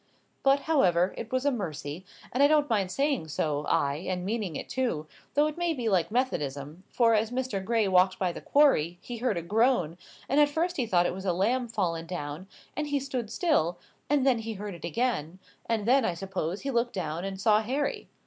But, however, it was a mercy, and I don't mind saying so, ay, and meaning it too, though it may be like methodism; for, as Mr. Gray walked by the quarry, he heard a groan, and at first he thought it was a lamb fallen down; and he stood still, and then he heard it again; and then I suppose, he looked down and saw Harry.